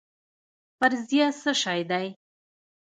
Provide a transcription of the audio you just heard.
فرضیه څه شی دی؟